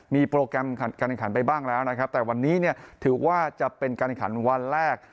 มีโปรแกรมการแข่งขันไปบ้างแล้วนะครับแต่วันนี้เนี่ยถือว่าจะเป็นการขันวันแรก